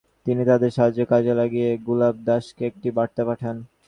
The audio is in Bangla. তিনি তাদের সাহায্য কাজে লাগিয়ে গুলাব দাসকে একটি বার্তা পাঠান।